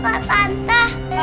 pak rt tante